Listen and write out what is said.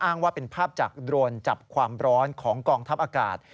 อ้างว่าเป็นภาพจากโดรนจับความร้อนของกองทัพอากาศ